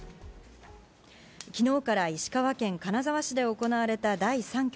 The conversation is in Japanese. きのうから石川県金沢市で行われた第３局。